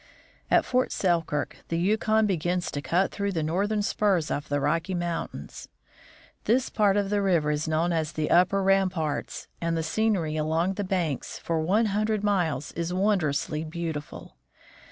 At Fort Selkirk the Yukon begins to cut through the northern spurs of the Rocky mountains. This part of the river is known as the Upper Ramparts, and the scenery along the banks for one hundred miles is wondrously beautiful.